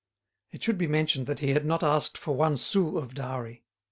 It should be mentioned that he had not asked for one sou of dowry.